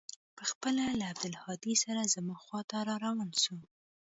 پخپله له عبدالهادي سره زما خوا ته راروان سو.